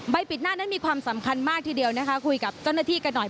ปิดหน้านั้นมีความสำคัญมากทีเดียวนะคะคุยกับเจ้าหน้าที่กันหน่อย